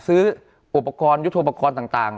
ซื้ออุปกรณ์ยุทธโปรกรณ์ต่าง